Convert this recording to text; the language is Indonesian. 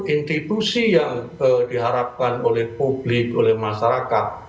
institusi yang diharapkan oleh publik oleh masyarakat